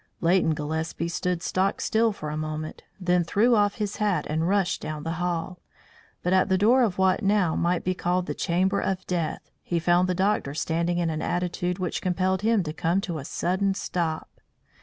Leighton Gillespie stood stock still for a moment, then threw off his hat and rushed down the hall. But at the door of what now might be called the chamber of death, he found the doctor standing in an attitude which compelled him to come to a sudden stop.